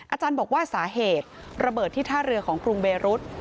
อาจารย์บอกว่าสาเหตุระเบิดที่ท่าเรือของกรุงเบรุษ